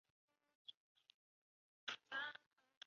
她在家中四名兄弟姊妹艾德娜之中排行最小。